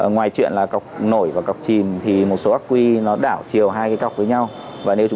ngoài chuyện là cọc nổi và cọc chìm thì một số ác quy nó đảo chiều hai cái cọc với nhau